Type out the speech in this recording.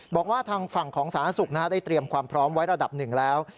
บอกว่าทางฝั่งของสาธารณสุขได้เตรียมความพร้อมไว้ระดับหนึ่งแล้ว